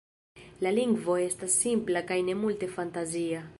La lingvo estas simpla kaj ne multe fantazia.